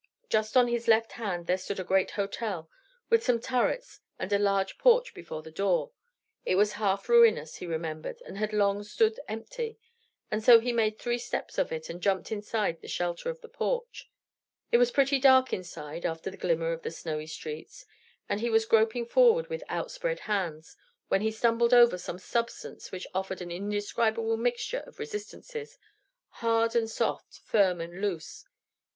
Just on his left hand there stood a great hotel, with some turrets and a large porch before the door; it was half ruinous, he remembered, and had long stood empty; and so he made three steps of it and jumped inside the shelter of the porch. It was pretty dark inside, after the glimmer of the snowy streets, and he was groping forward with outspread hands, when he stumbled over some substance which offered an indescribable mixture of resistances, hard and soft, firm and loose.